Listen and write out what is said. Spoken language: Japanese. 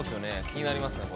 気になりますね